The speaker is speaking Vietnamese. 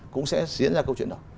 cũng sẽ diễn ra câu chuyện đó